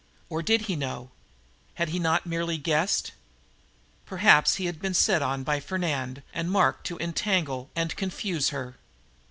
Or did he know? Had he not merely guessed? Perhaps he had been set on by Fernand or Mark to entangle and confuse her?